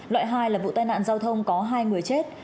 loại hai là vụ tai nạn giao thông có hai người chết